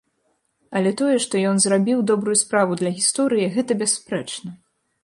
Але тое, што ён зрабіў добрую справу для гісторыі, гэта бясспрэчна.